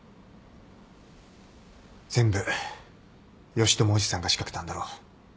全部義知叔父さんが仕掛けたんだろう。